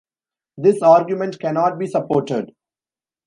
This argument cannot be supported.